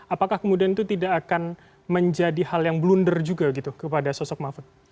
apakah kemudian itu tidak akan menjadi hal yang blunder juga gitu kepada sosok mahfud